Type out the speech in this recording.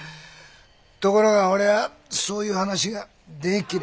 ところが俺はそういう話が大嫌え